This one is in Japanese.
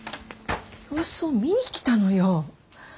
様子を見に来たのよ。